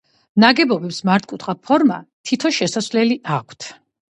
ნაგებობებს მართკუთხა ფორმა და თითო შესასვლელი აქვთ.